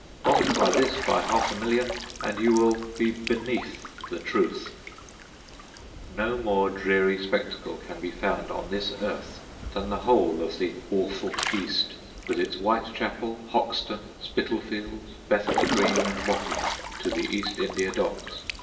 Multiply this by half a million, and you will be beneath the truth. No more dreary spectacle can be found on this earth than the whole of the "awful East," with its Whitechapel, Hoxton, Spitalfields, Bethnal Green, and Wapping to the East India Docks.